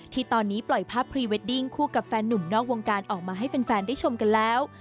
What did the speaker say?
ที่ตอนนี้ปล่อยภาพพรีเวดดิ้งคู่กับแฟนหนุ่มนอกวงการออกมาให้แฟนได้ชมกันแล้ว